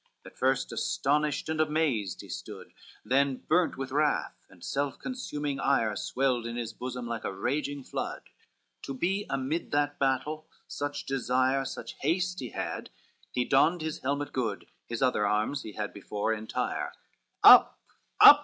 LXXIV At first astonished and amazed he stood Then burnt with wrath, and self consuming ire, Swelled his bosom like a raging flood, To be amid that battle; such desire, Such haste he had; he donned his helmet good, His other arms he had before entire, "Up, up!"